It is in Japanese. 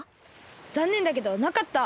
ざんねんだけどなかった。